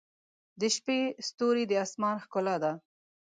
• د شپې ستوري د آسمان ښکلا ده.